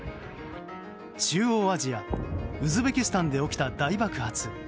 中央アジアウズベキスタンで起きた大爆発。